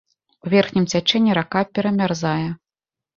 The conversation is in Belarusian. У верхнім цячэнні рака перамярзае.